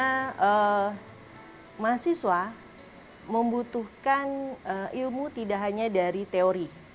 karena mahasiswa membutuhkan ilmu tidak hanya dari teori